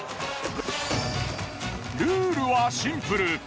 ルールはシンプル。